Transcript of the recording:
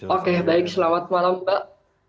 oke baik selamat malam mbak